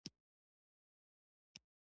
سندره یې له خپل بابا څخه زده کړې ده.